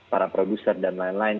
para produser dan lain lain